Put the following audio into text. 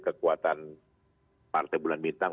kekuatan partai bulan bintang